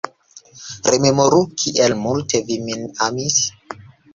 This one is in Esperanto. Rememoru, kiel multe vi min amis?